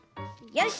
よし。